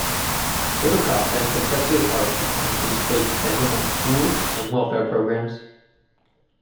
Ribicoff then successfully argued for increased state spending on schools and welfare programs.